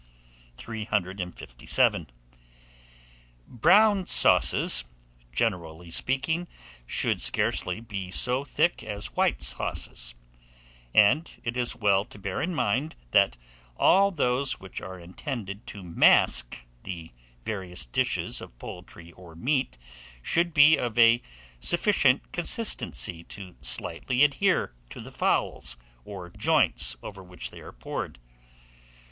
357. BROWN SAUCES, generally speaking, should scarcely be so thick as white sauces; and it is well to bear in mind, that all those which are intended to mask the various dishes of poultry or meat, should be of a sufficient consistency to slightly adhere to the fowls or joints over which they are poured.